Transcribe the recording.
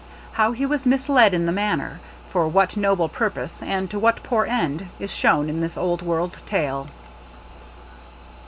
How he was misled in the matter, for what noble purpose and to what poor end, is shown in this old world tale.